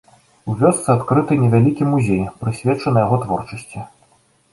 У вёсцы адкрыты невялікі музей, прысвечаны яго творчасці.